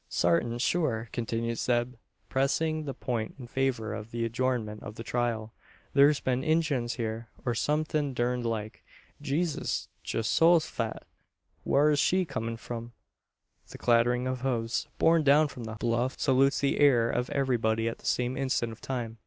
"Sartin sure," continues Zeb, pressing the point in favour of an adjournment of the trial, "thur's been Injuns hyur, or some thin' durned like Geesus Geehosofat! Whar's she comin' from?" The clattering of hoofs, borne down from the bluff, salutes the ear of everybody at the same instant of time.